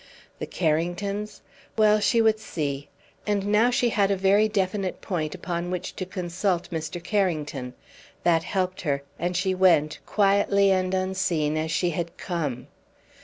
The Carringtons? Well, she would see; and now she had a very definite point upon which to consult Mr. Carrington. That helped her, and she went, quietly and unseen as she had come.